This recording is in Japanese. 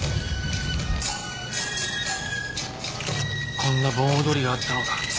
こんな盆踊りがあったのか。